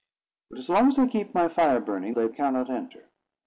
But as long as I keep my fire burning, they cannot enter.